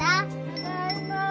ただいま。